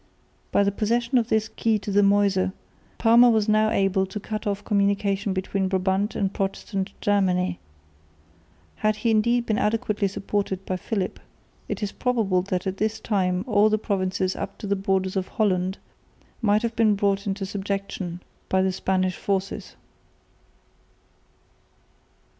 By the possession of this key to the Meuse, Parma was now able to cut off communications between Brabant and Protestant Germany. Had he indeed been adequately supported by Philip it is probable that at this time all the provinces up to the borders of Holland might have been brought into subjection by the Spanish forces.